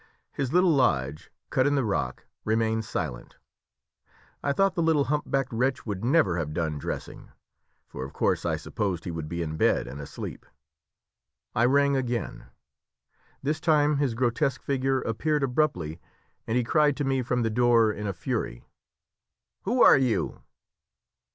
His little lodge, cut in the rock, remained silent; I thought the little humpbacked wretch would never have done dressing; for of course I supposed he would be in bed and asleep. I rang again. This time his grotesque figure appeared abruptly, and he cried to me from the door in a fury "Who are you?"